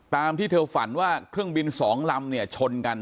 ตามที่เธอฝันว่าเครื่องบินสองลำเนี่ยชนกัน